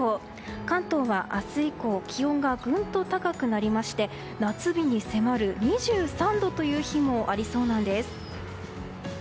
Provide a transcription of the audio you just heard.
関東は明日以降気温がぐんと高くなりまして夏日に迫る、２３度という日もありそうなんです。